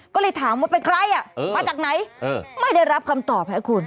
ก็เลยถามว่าเป็นใครมาจากไหนไม่ได้รับคำตอบให้คุณ